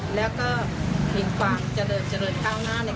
แล้วก็กุ้งทางนี้เลยหรือเป็นไว้